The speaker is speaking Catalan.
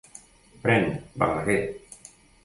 Pren, Verdaguer!